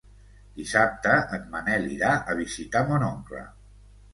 Dissabte en Manel irà a visitar mon oncle.